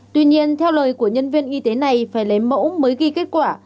tuy nhiên theo lời của nhân viên y tế này phải lấy mẫu mới ghi kết quả